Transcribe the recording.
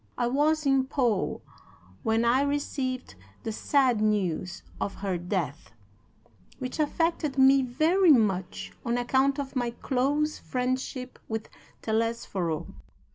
I was in Pau when I received the sad news of her death, which affected me very much on account of my close friendship with Telesforo.